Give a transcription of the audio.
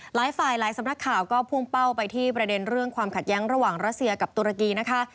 หลายฝ่ายหลายสำนักข่าวก็พุ่งเป้าไปที่ประเด็นเรื่องความขัดแย้งระหว่างรัสเซียกับตุรกีนะคะ